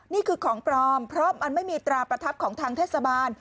นี่คือของปลอมเพราะมันไม่มีตราประทับของทางเทศบาล